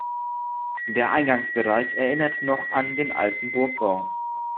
Der Eingangsbereich erinnert noch an den alten Burgbau.